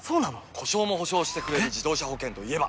故障も補償してくれる自動車保険といえば？